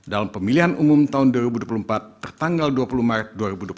dalam pemilihan umum tahun dua ribu dua puluh empat tertanggal dua puluh maret dua ribu dua puluh